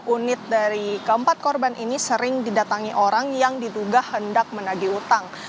unit dari keempat korban ini sering didatangi orang yang diduga hendak menagih utang